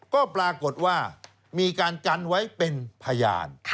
ก็ปรากฏว่ามีการจันไว้เป็นพยาน